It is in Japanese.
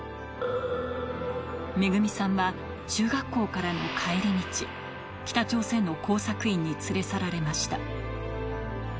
めぐみさんは中学校からの帰り道、北朝鮮の工作員に連れ去られました。